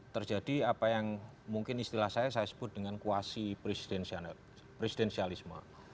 terjadi apa yang mungkin istilah saya saya sebut dengan kuasi presidensialisme